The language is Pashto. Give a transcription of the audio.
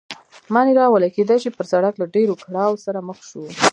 مانیرا وویل: کېدای شي، پر سړک له ډېرو کړاوو سره مخ شو.